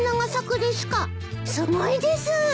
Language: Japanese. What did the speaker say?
すごいです！